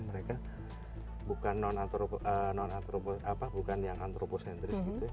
mereka bukan yang antroposentris